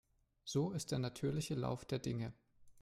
So ist der natürliche Lauf der Dinge.